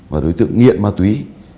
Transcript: và đối tượng nhiện ma túy